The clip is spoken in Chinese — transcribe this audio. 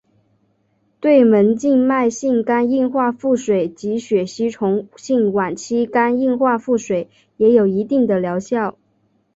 对门静脉性肝硬化腹水及血吸虫性晚期肝硬化腹水也有一定的疗效。